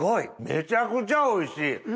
めちゃくちゃおいしい。